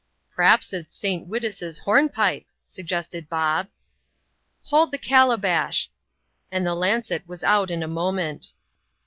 " Pr'aps it's St. Witus's hornpipe," suggested Bob. ^Hold tbe calabash !"^ and the lancet was out in a moment.